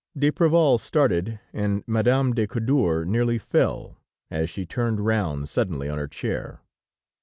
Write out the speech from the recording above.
D'Apreval started, and Madame de Cadour nearly fell, as she turned round suddenly on her chair.